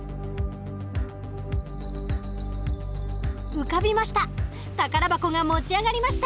浮かびました。